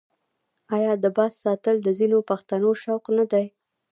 آیا د باز ساتل د ځینو پښتنو شوق نه دی؟